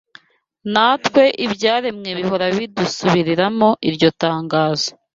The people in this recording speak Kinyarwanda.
Natwe ibyaremwe bihora bidusubiriramo iryo tangazo